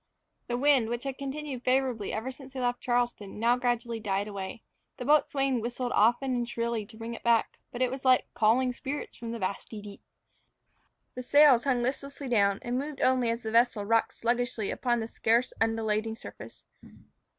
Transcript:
The wind, which had continued favourable ever since they left Charleston, now gradually died away. The boatswain whistled often and shrilly to bring it back; but it was like "calling spirits from the vasty deep." The sails hung listlessly down, and moved only as the vessel rocked sluggishly upon the scarce undulating surface.